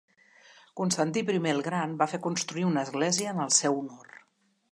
Constantí I el Gran va fer construir una església en el seu honor.